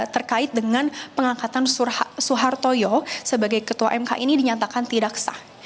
terkait dengan pengangkatan soehartoyo sebagai ketua mk ini dinyatakan tidak sah